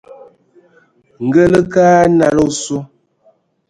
Ngǝ lǝ kǝ nalǝ a osu,